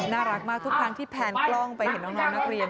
น่ารักมากทุกครั้งที่แพนกล้องไปเห็นน้องนักเรียน